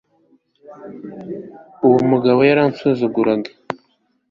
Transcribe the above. uwo mugabo yaransuzuguraga